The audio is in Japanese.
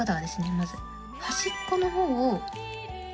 まず端っこの方を。